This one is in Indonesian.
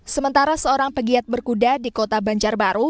sementara seorang pegiat berkuda di kota banjarbaru